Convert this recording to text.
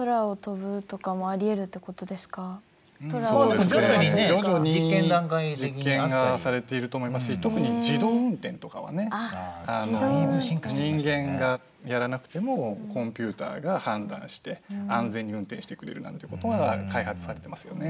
そうですね徐々に実験がされていると思いますし特に自動運転とかはね人間がやらなくてもコンピュータが判断して安全に運転してくれるなんてことが開発されてますよね。